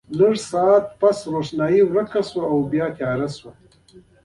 لږ ساعت وروسته روښنايي ورکه شوه او بیا تیاره شوه.